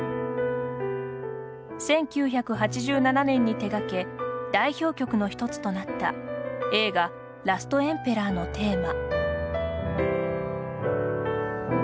１９８７年に手がけ代表曲の１つとなった映画「ラストエンペラー」のテーマ。